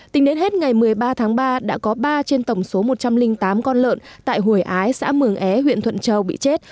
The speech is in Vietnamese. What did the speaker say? tính đến hết ngày một mươi ba tháng ba đã có ba trên tổng số một trăm linh tám con lợn tại hủy ái xã mường é huyện thuận châu bị chết